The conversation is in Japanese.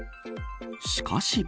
しかし。